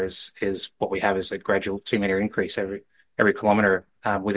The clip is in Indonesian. adalah apa yang kita miliki adalah peningkatan dua meter setiap kilometer di dalam pantai